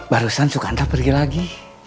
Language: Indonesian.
barusan sukanda pergi lagi